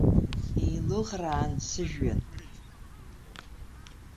Еилыӷраан сыжәҩан.